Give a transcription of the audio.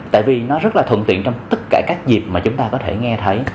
tại vì nó rất là thuận tiện trong tất cả các dịp mà chúng ta có thể nghe thấy